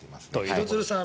廣津留さん